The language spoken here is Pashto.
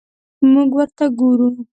موږ ورته ګورو.